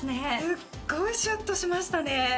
すっごいシュッとしましたね